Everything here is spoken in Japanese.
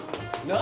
何？